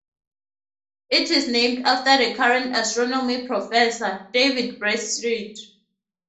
It is named after the current astronomy professor, David Bradstreet.